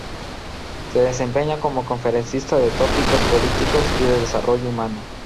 Se desempeña como Conferencista de Tópicos Políticos y de Desarrollo Humano.